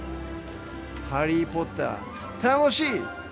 ハリー・ポッター楽しい。